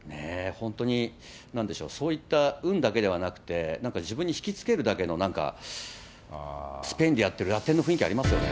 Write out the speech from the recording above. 本当に、なんでしょう、そういった運だけではなくて、なんか自分に引き付けるだけの、なんか、スペインでやってるラテンの雰囲気ありますよね。